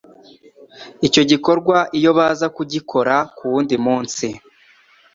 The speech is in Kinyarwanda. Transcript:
Icyo gikorwa iyo baza kugikora ku wundi munsi